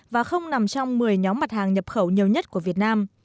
và không nằm trong một mươi nhóm mặt hàng nhập khẩu nhiều nhất của việt nam